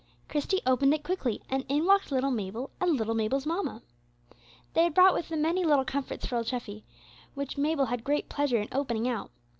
Christie opened it quickly, and in walked little Mabel, and little Mabel's mamma. They had brought with them many little comforts for old Treffy, which Mabel had great pleasure in opening out.